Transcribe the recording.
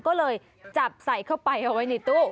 ก็เลยจับใส่เข้าไปเอาไว้ในตู้